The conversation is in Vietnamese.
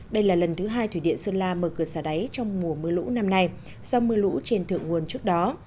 đây là lần thứ hai thủy điện sơn la mở cửa xả đáy trong mùa mưa lũ năm nay do mưa lũ trên thượng nguồn trước đó